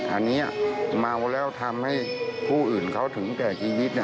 อันนี้เมาแล้วทำให้ผู้อื่นเขาถึงแก่ชีวิต